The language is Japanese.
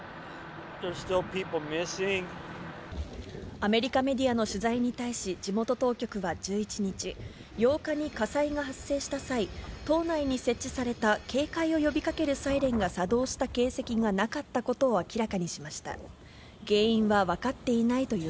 アメリカメディアの取材に対し、地元当局は１１日、８日に火災が発生した際、島内に設置された警戒を呼びかけるサイレンが作動した形跡がなかワン・ツー・スリー！